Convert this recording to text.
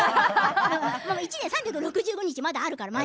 １年３６５日まだあるからね。